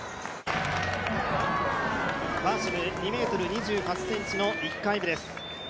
男子２ｍ２８ｃｍの１回目です。